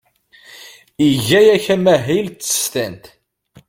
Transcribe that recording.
Iga yakk amahil d tsestant.